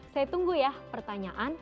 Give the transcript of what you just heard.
saya tunggu ya pertanyaan